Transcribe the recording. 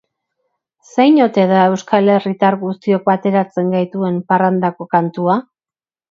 Zein ote da euskal herritar guztiok bateratzen gaituen parrandako kantua?